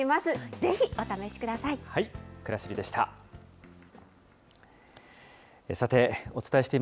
ぜひ、お試しください。